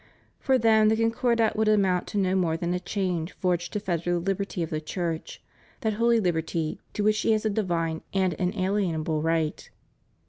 For them the Concordat would amount to no more than a chain forged to fetter the liberty of the Church, that holy liberty to which she has a divine and inalienable right.